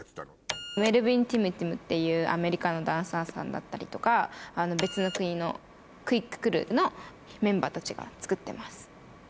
メルビン・ティムティムっていうアメリカのダンサーさんだったりとか別の国のクイック・クルーのメンバーたちが作ってます。